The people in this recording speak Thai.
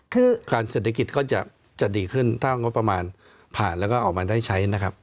คือการเศรษฐกิจก็จะดีขึ้นถ้างบประมาณผ่านแล้วก็ออกมาได้ใช้นะครับ